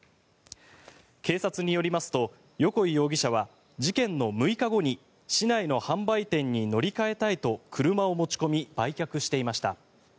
警察によりますと横井容疑者は事件の６日後に市内の販売店に乗り換えたいと車を持ち込み売却していました。